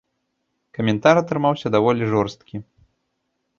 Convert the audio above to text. Каментар атрымаўся даволі жорсткі.